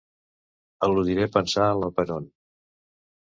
Eludiré pensar en la Perón.